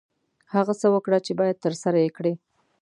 هغه څه وکړه چې باید ترسره یې کړې.